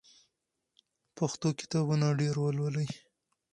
پښتو کتابونه ډېر ولولئ.